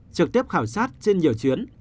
trực tiếp khảo sát trên nhiều chuyến